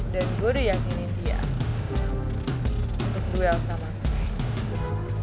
dan gue udah yakinin dia untuk duel sama gue